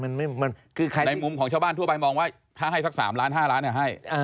มันคือในมุมของชาวบ้านทั่วไปมองว่าถ้าให้สัก๓ล้าน๕ล้านให้